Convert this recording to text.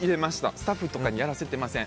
スタッフとかにやらせてません。